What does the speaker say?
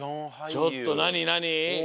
ちょっとなになに？